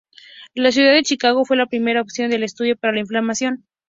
La ciudad de Chicago fue la primera opción de estudio para la filmación.